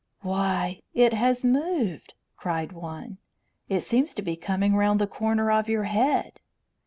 "Why, it has moved!" cried one. "It seems to be coming round the corner of your head."